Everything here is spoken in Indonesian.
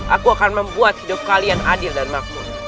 aku akan membuat hidup kalian adil dan makmur